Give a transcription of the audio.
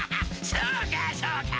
そうかそうか！